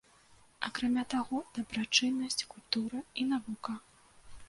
Акрамя таго, дабрачыннасць, культура і навука.